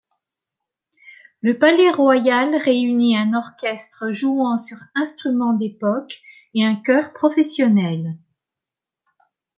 Le Palais royal réunit un orchestre jouant sur instruments d'époque et un chœur professionnels.